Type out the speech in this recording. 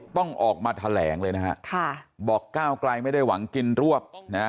ต้องออกมาแถลงเลยนะฮะบอกก้าวไกลไม่ได้หวังกินรวบนะ